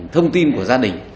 thông tin của gia đình